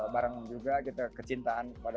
bareng juga kita kecintaan kepada